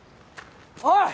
おい！